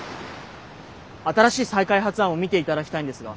新しい再開発案を見ていただきたいんですが。